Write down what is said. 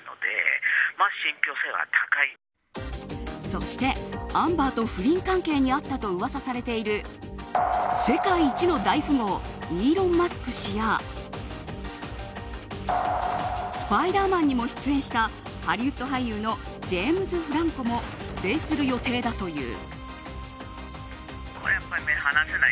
そして、アンバーと不倫関係にあったとうわさされている世界一の大富豪イーロン・マスク氏や「スパイダーマン」にも出演したハリウッド俳優のジェームズ・フランコも出廷する予定だという。